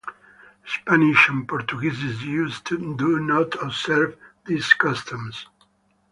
Spanish and Portuguese Jews do not observe these customs.